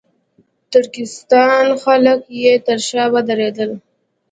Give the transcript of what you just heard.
ترکستان خلک یې تر شا ودرېدل.